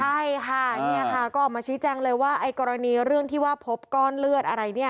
ใช่ค่ะก็ออกมาชี้แจ้งเลยว่ากรณีเรื่องที่ว่าพบก้อนเลือดอะไร